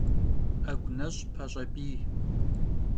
'egu neş' paş'e p'iy.